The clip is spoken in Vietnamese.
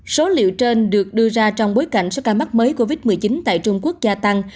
số liệu trên được đưa ra trong bối cảnh số ca mắc mới covid một mươi chín tại trung quốc gia tăng